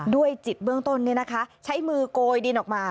ด้วยจิตเบื้องต้นใช้มือโกยดินออกมา